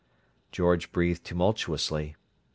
George breathed tumultuously.